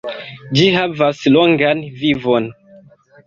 Ĝi havas longan vivon.